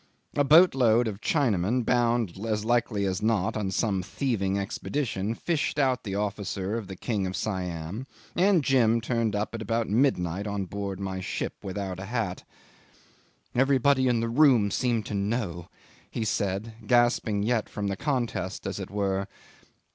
A boat load of Chinamen, bound, as likely as not, on some thieving expedition, fished out the officer of the King of Siam, and Jim turned up at about midnight on board my ship without a hat. "Everybody in the room seemed to know," he said, gasping yet from the contest, as it were.